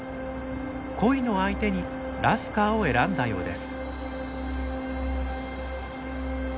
恋の相手にラスカーを選んだようです。